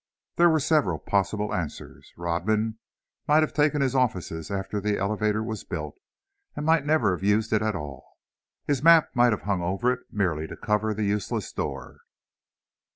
There were several possible answers. Rodman might have taken his offices after the elevator was built, and might never have used it at all. His map might have hung over it merely to cover the useless door.